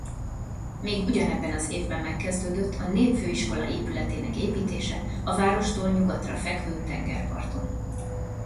Még ugyanebben az évben megkezdődött a népfőiskola épületének építése a várostól nyugatra fekvő tengerparton.